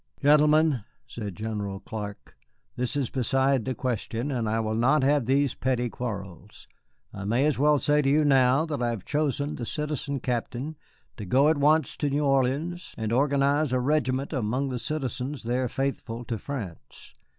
"Gentlemen," said General Clark, "this is beside the question, and I will not have these petty quarrels. I may as well say to you now that I have chosen the Citizen Captain to go at once to New Orleans and organize a regiment among the citizens there faithful to France.